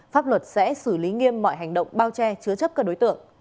pháp luật sẽ xử lý nghiêm mọi hành động bao che chứa chấp các đối tượng